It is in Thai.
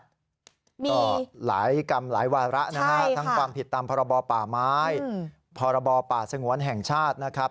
ก็หลายกรรมหลายวาระนะฮะทั้งความผิดตามพรบป่าไม้พรบป่าสงวนแห่งชาตินะครับ